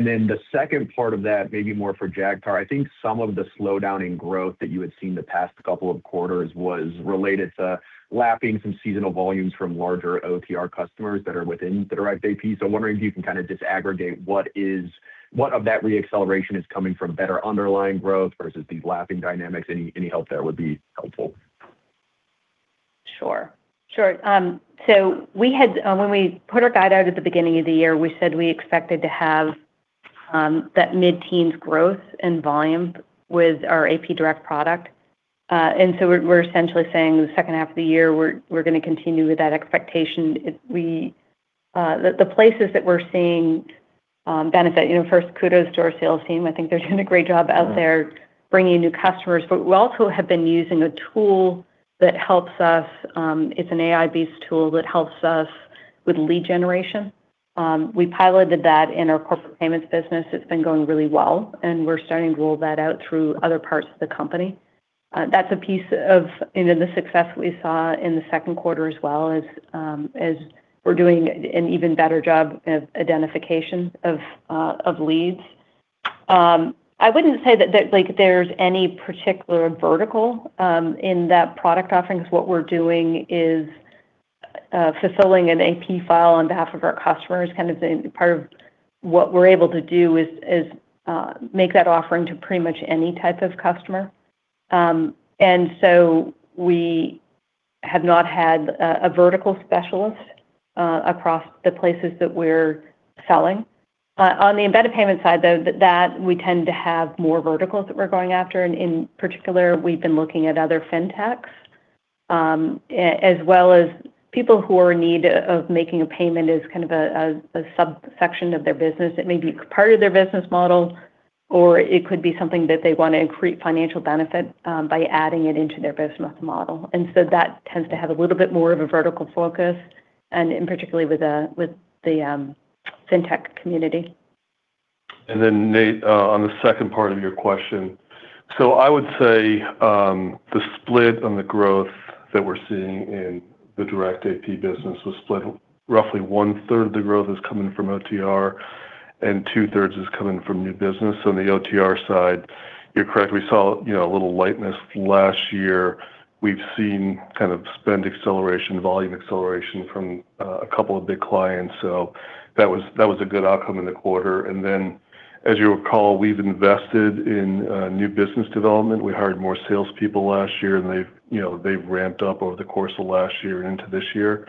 The second part of that, maybe more for Jagtar, I think some of the slowdown in growth that you had seen the past couple of quarters was related to lapping some seasonal volumes from larger OTR customers that are within the direct AP. Wondering if you can just aggregate what of that re-acceleration is coming from better underlying growth versus these lapping dynamics. Any help there would be helpful. Sure. When we put our guide out at the beginning of the year, we said we expected to have that mid-teens growth in volume with our AP direct product. We're essentially saying the second half of the year, we're going to continue with that expectation. The places that we're seeing benefit, first kudos to our sales team. I think they're doing a great job out there bringing new customers. We also have been using a tool that helps us. It's an AI-based tool that helps us with lead generation. We piloted that in our Corporate Payments business. It's been going really well, and we're starting to roll that out through other parts of the company. That's a piece of the success we saw in the second quarter as well as we're doing an even better job of identification of leads. I wouldn't say that there's any particular vertical in that product offering because what we're doing is fulfilling an AP file on behalf of our customers, kind of the part of what we're able to do is make that offering to pretty much any type of customer. We have not had a vertical specialist across the places that we're selling. On the embedded payment side, though, we tend to have more verticals that we're going after, and in particular, we've been looking at other fintechs, as well as people who are in need of making a payment as kind of a subsection of their business. It may be part of their business model, or it could be something that they want to increase financial benefit by adding it into their business model. That tends to have a little bit more of a vertical focus and particularly with the fintech community. Nate, on the second part of your question. I would say, the split on the growth that we're seeing in the direct AP business was split roughly one third of the growth is coming from OTR and two-thirds is coming from new business. On the OTR side, you're correct, we saw a little lightness last year. We've seen spend acceleration, volume acceleration from a couple of big clients. That was a good outcome in the quarter. As you'll recall, we've invested in new business development. We hired more salespeople last year, and they've ramped up over the course of last year and into this year.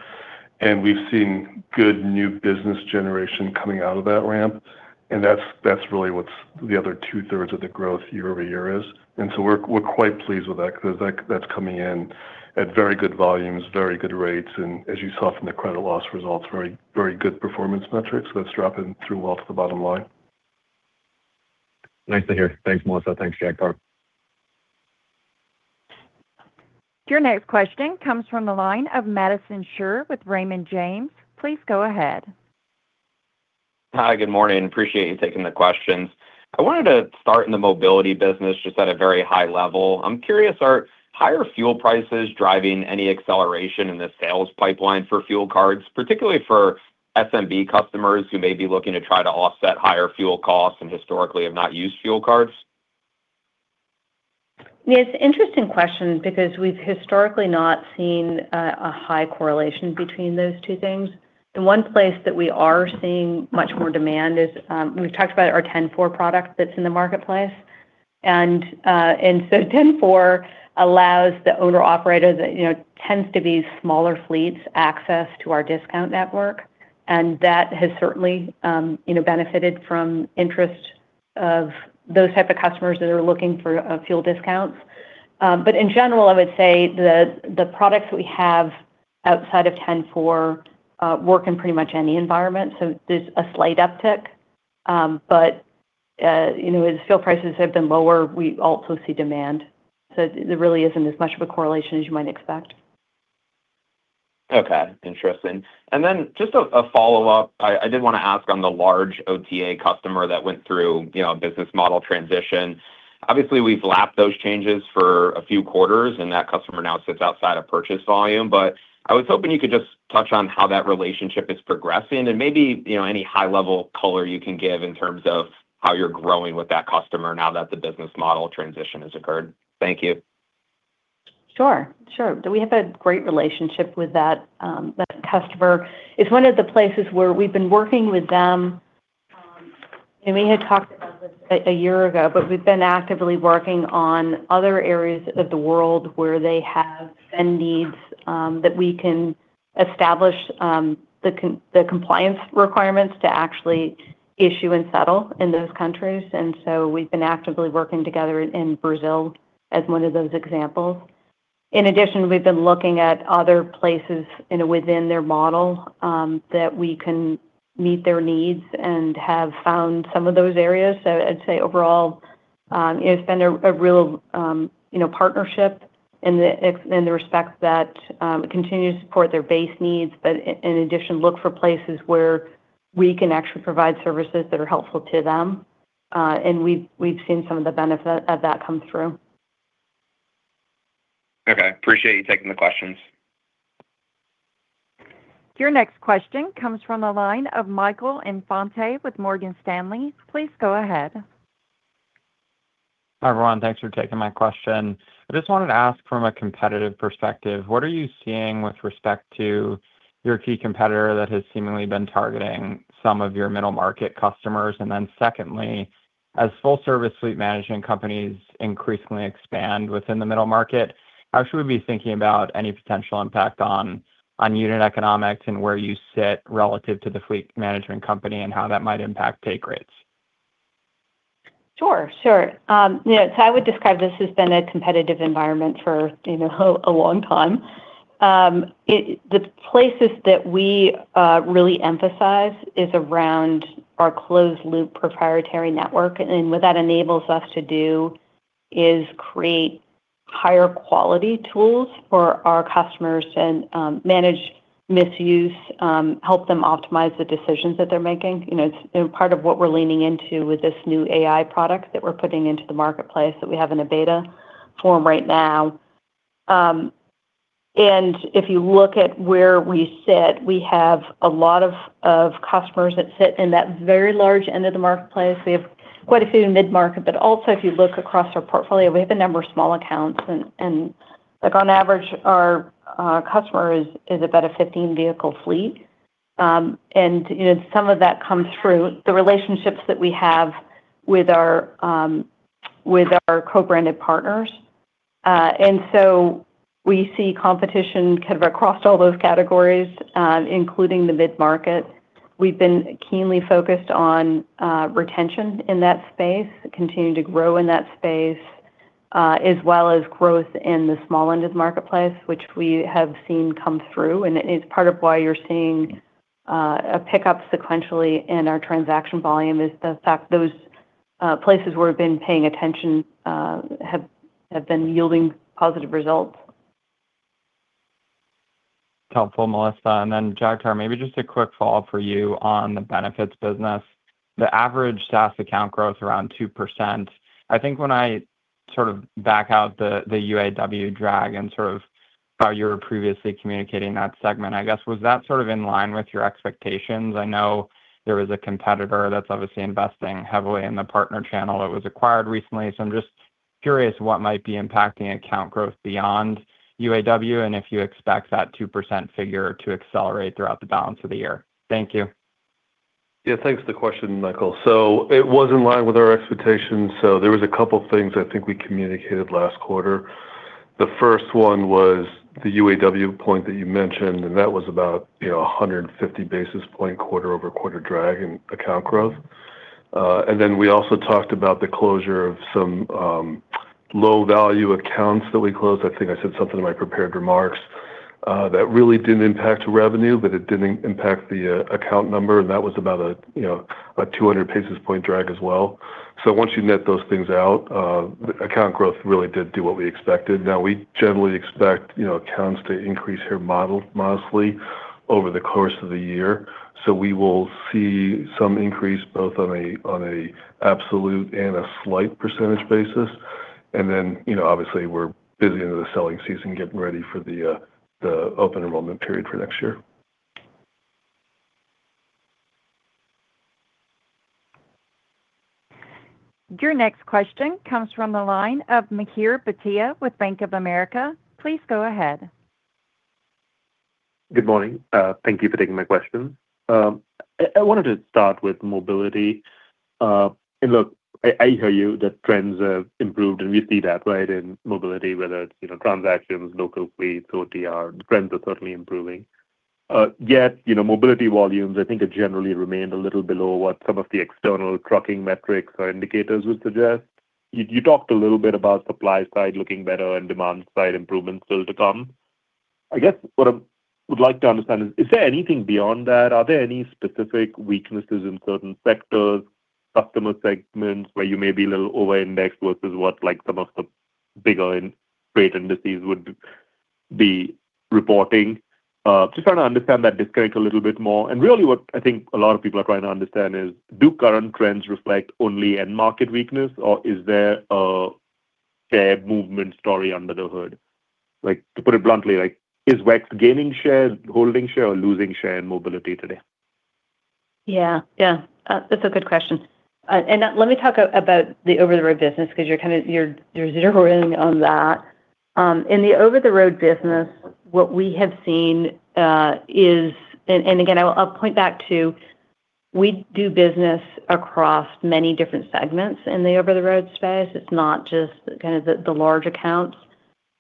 We've seen good new business generation coming out of that ramp, and that's really what's the other 2/3 of the growth year-over-year is. We're quite pleased with that because that's coming in at very good volumes, very good rates, and as you saw from the credit loss results, very good performance metrics that's dropping through off the bottom line. Nice to hear. Thanks, Melissa. Thanks, Jagtar. Your next question comes from the line of Madison Suhr with Raymond James. Please go ahead. Hi, good morning. Appreciate you taking the questions. I wanted to start in the Mobility business, just at a very high level. I'm curious, are higher fuel prices driving any acceleration in the sales pipeline for fuel cards, particularly for SMB customers who may be looking to try to offset higher fuel costs and historically have not used fuel cards? Yeah, it's an interesting question because we've historically not seen a high correlation between those two things. The one place that we are seeing much more demand is, we've talked about our 10-4 product that's in the marketplace. 10-4 allows the owner-operator that tends to be smaller fleets access to our discount network. That has certainly benefited from interest of those type of customers that are looking for fuel discounts. In general, I would say the products we have outside of 10-4 work in pretty much any environment. There's a slight uptick. As fuel prices have been lower, we also see demand. There really isn't as much of a correlation as you might expect. Okay. Interesting. Then just a follow-up. I did want to ask on the large OTA customer that went through a business model transition. Obviously, we've lapped those changes for a few quarters, and that customer now sits outside of purchase volume. I was hoping you could just touch on how that relationship is progressing and maybe any high-level color you can give in terms of how you're growing with that customer now that the business model transition has occurred. Thank you. Sure. We have a great relationship with that customer. It's one of the places where we've been working with them, and we had talked about this a year ago, but we've been actively working on other areas of the world where they have send needs that we can establish the compliance requirements to actually issue and settle in those countries. We've been actively working together in Brazil as one of those examples. In addition, we've been looking at other places within their model that we can meet their needs and have found some of those areas. I'd say overall, it's been a real partnership in the respect that it continues to support their base needs, but in addition, look for places where we can actually provide services that are helpful to them. We've seen some of the benefit of that come through. Okay. Appreciate you taking the questions. Your next question comes from the line of Michael Infante with Morgan Stanley. Please go ahead. Hi, everyone. Thanks for taking my question. I just wanted to ask from a competitive perspective, what are you seeing with respect to your key competitor that has seemingly been targeting some of your middle-market customers? Secondly, as full-service fleet management companies increasingly expand within the middle-market, how should we be thinking about any potential impact on unit economics and where you sit relative to the fleet management company and how that might impact pay grades? Sure. I would describe this as been a competitive environment for a long time. The places that we really emphasize is around our closed-loop proprietary network. What that enables us to do is create higher quality tools for our customers to manage misuse, help them optimize the decisions that they're making. It's part of what we're leaning into with this new AI product that we're putting into the marketplace that we have in a beta form right now. If you look at where we sit, we have a lot of customers that sit in that very large end of the marketplace. We have quite a few in mid-market, also if you look across our portfolio, we have a number of small accounts, and on average, our customer is about a 15-vehicle fleet. Some of that comes through the relationships that we have with our co-branded partners. We see competition kind of across all those categories, including the mid-market. We've been keenly focused on retention in that space, continuing to grow in that space, as well as growth in the small end of the marketplace, which we have seen come through. It's part of why you're seeing a pickup sequentially in our transaction volume is the fact those places where we've been paying attention have been yielding positive results. Helpful, Melissa. Jagtar, maybe just a quick follow-up for you on the Benefits business. The average SaaS account growth around 2%. I think when I sort of back out the UAW drag and sort of how you were previously communicating that segment, I guess, was that sort of in line with your expectations? I know there is a competitor that's obviously investing heavily in the partner channel that was acquired recently. I'm just curious what might be impacting account growth beyond UAW and if you expect that 2% figure to accelerate throughout the balance of the year. Thank you. Yeah, thanks for the question, Michael. It was in line with our expectations. There was a couple things I think we communicated last quarter. The first one was the UAW point that you mentioned, and that was about 150 basis point quarter-over-quarter drag in account growth. We also talked about the closure of some low-value accounts that we closed. I think I said something in my prepared remarks. That really didn't impact revenue, but it did impact the account number, and that was about a 200 basis point drag as well. Once you net those things out, account growth really did do what we expected. Now we generally expect accounts to increase here mostly over the course of the year. We will see some increase both on an absolute and a slight percentage basis. Obviously we're busy into the selling season, getting ready for the open enrollment period for next year. Your next question comes from the line of Mihir Bhatia with Bank of America. Please go ahead. Good morning. Thank you for taking my question. I wanted to start with Mobility. Look, I hear you that trends have improved, and we see that, right? In Mobility, whether it's transactions, local fleet, OTR, trends are certainly improving. Mobility volumes I think have generally remained a little below what some of the external trucking metrics or indicators would suggest. You talked a little bit about supply side looking better and demand side improvements still to come. I guess what I would like to understand is there anything beyond that? Are there any specific weaknesses in certain sectors, customer segments where you may be a little over-indexed versus what some of the bigger freight indices would be reporting? Just trying to understand that disconnect a little bit more. Really what I think a lot of people are trying to understand is, do current trends reflect only end market weakness or is there a fair movement story under the hood? To put it bluntly, is WEX gaining share, holding share, or losing share in Mobility today? That's a good question. Let me talk about the over-the-road business because you're zeroing in on that. In the over-the-road business, what we have seen is again, I'll point back to, we do business across many different segments in the over-the-road space. It's not just kind of the large accounts.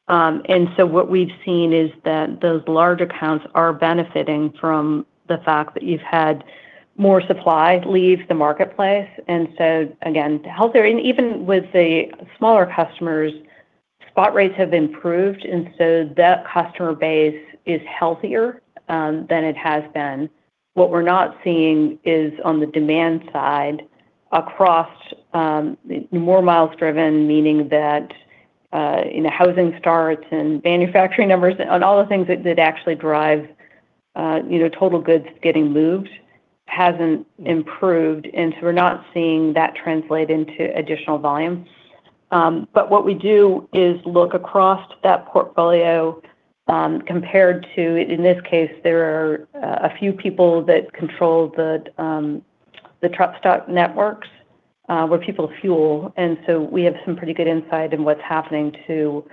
What we've seen is that those large accounts are benefiting from the fact that you've had more supply leave the marketplace. Again, healthier. Even with the smaller customers, spot rates have improved, and so that customer base is healthier than it has been. What we're not seeing is on the demand side across more miles driven, meaning that housing starts and manufacturing numbers and all the things that actually drive total goods getting moved hasn't improved, and so we're not seeing that translate into additional volume. What we do is look across that portfolio compared to, in this case, there are a few people that control the truck stop networks, where people fuel. We have some pretty good insight in what's happening to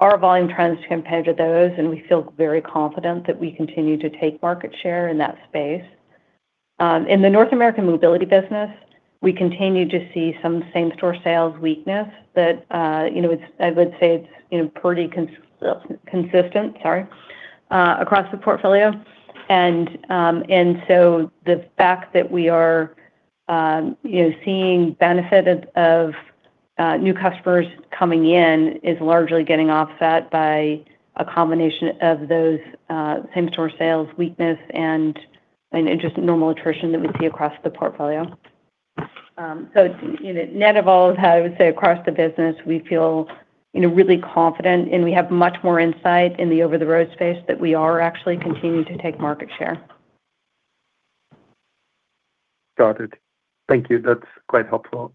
our volume trends compared to those, and we feel very confident that we continue to take market share in that space. In the North American Mobility business, we continue to see some same-store sales weakness that I would say it's pretty consistent, sorry, across the portfolio. The fact that we are seeing benefit of new customers coming in is largely getting offset by a combination of those same-store sales weakness and just normal attrition that we see across the portfolio. Net of all, I would say across the business, we feel really confident, and we have much more insight in the over-the-road space that we are actually continuing to take market share. Got it. Thank you. That's quite helpful.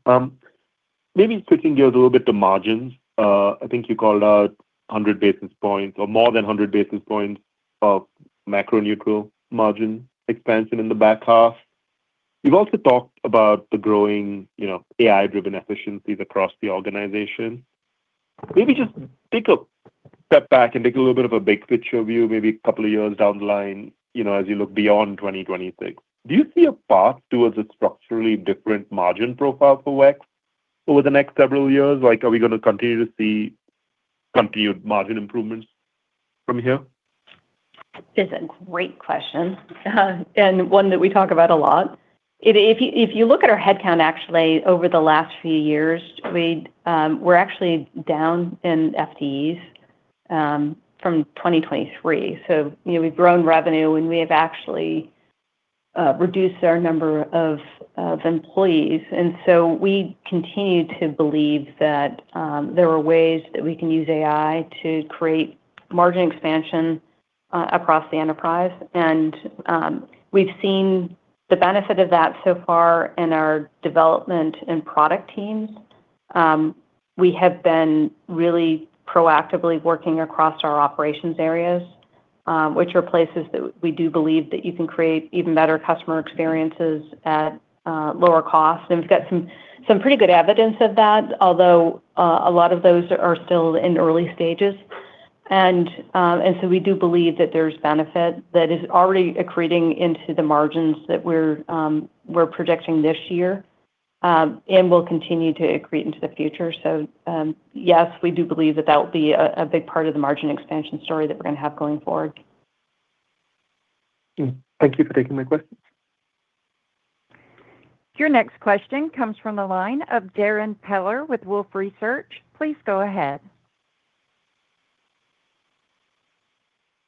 Maybe switching gears a little bit to margins. I think you called out 100 basis points or more than 100 basis points of macro neutral margin expansion in the back half. We've also talked about the growing AI-driven efficiencies across the organization. Maybe just take a step back and take a little bit of a big-picture view, maybe a couple of years down the line, as you look beyond 2026. Do you see a path towards a structurally different margin profile for WEX over the next several years? Are we going to continue to see continued margin improvements from here? It's a great question, one that we talk about a lot. If you look at our headcount, actually, over the last few years, we're actually down in FTEs from 2023. We've grown revenue, we have actually reduced our number of employees. We continue to believe that there are ways that we can use AI to create margin expansion across the enterprise. We've seen the benefit of that so far in our development and product teams. We have been really proactively working across our operations areas, which are places that we do believe that you can create even better customer experiences at lower cost. We've got some pretty good evidence of that, although a lot of those are still in the early stages. We do believe that there's benefit that is already accreting into the margins that we're projecting this year, will continue to accrete into the future. Yes, we do believe that that will be a big part of the margin expansion story that we're going to have going forward. Thank you for taking my questions. Your next question comes from the line of Darrin Peller with Wolfe Research. Please go ahead.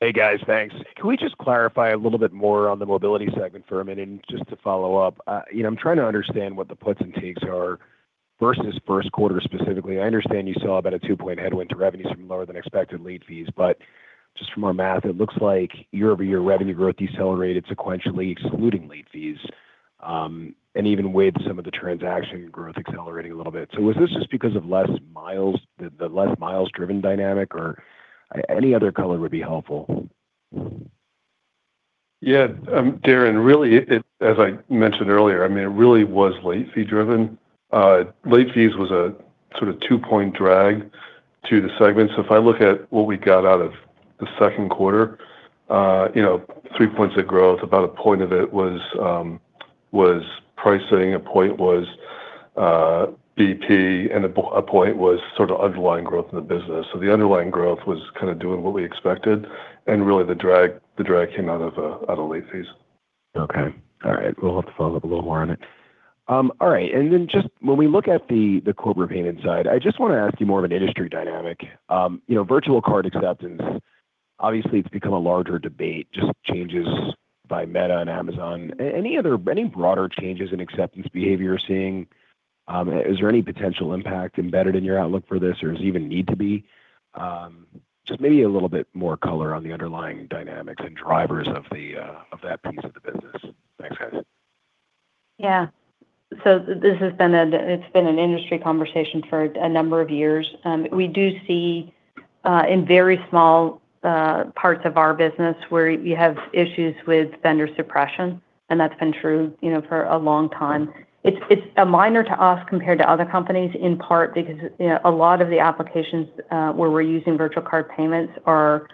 Hey, guys. Thanks. Can we just clarify a little bit more on the Mobility segment for a minute? Just to follow up, I'm trying to understand what the puts and takes are versus first quarter specifically. I understand you saw about a two-point headwind to revenues from lower than expected late fees, just from our math, it looks like year-over-year revenue growth decelerated sequentially, excluding late fees. Even with some of the transaction growth accelerating a little bit. Was this just because of the less miles driven dynamic, or any other color would be helpful. Yeah, Darrin, really, as I mentioned earlier, it really was late fee driven. Late fees was a two-point drag to the segment. If I look at what we got out of the second quarter, three points of growth, about one point of it was price setting, one point was BP, and one point was underlying growth in the business. The underlying growth was doing what we expected, and really the drag came out of late fees. Okay. All right. We'll have to follow up a little more on it. All right. Just when we look at the Corporate payment side, I just want to ask you more of an industry dynamic. Virtual card acceptance, obviously, it's become a larger debate, just changes by Meta and Amazon. Any broader changes in acceptance behavior you're seeing? Is there any potential impact embedded in your outlook for this, or is even need to be? Just maybe a little bit more color on the underlying dynamics and drivers of that piece of the business. Thanks, guys. Yeah. This has been an industry conversation for a number of years. We do see in very small parts of our business where you have issues with vendor suppression, and that's been true for a long time. It's minor to us compared to other companies, in part because a lot of the applications where we're using virtual card payments are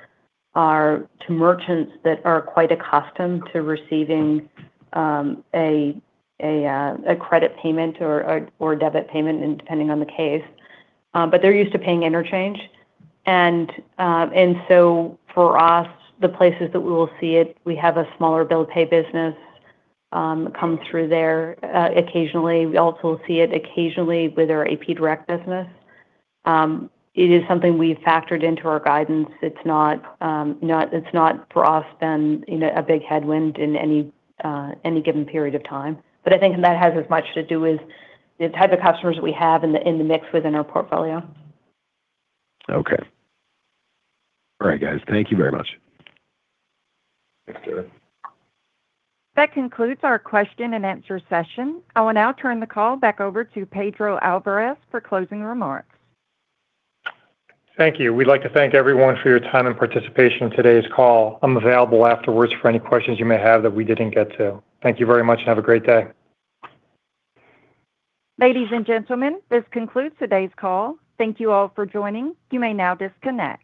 to merchants that are quite accustomed to receiving a credit payment or a debit payment depending on the case. They're used to paying interchange. For us, the places that we will see it, we have a smaller bill pay business come through there occasionally. We also see it occasionally with our AP direct business. It is something we've factored into our guidance. It's not for us been a big headwind in any given period of time. I think that has as much to do with the type of customers that we have in the mix within our portfolio. Okay. All right, guys. Thank you very much. Thanks, Darrin. That concludes our question and answer session. I will now turn the call back over to Pedro Alvarez for closing remarks. Thank you. We'd like to thank everyone for your time and participation in today's call. I'm available afterwards for any questions you may have that we didn't get to. Thank you very much, and have a great day. Ladies and gentlemen, this concludes today's call. Thank you all for joining. You may now disconnect.